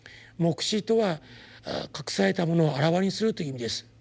黙示とは「隠されたものを顕わにする」という意味です。